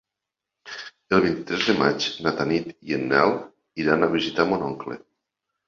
El vint-i-tres de maig na Tanit i en Nel iran a visitar mon oncle.